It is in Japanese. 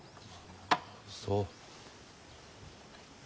そう。